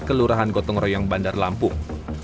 kelurahan gotong royong bandar lampung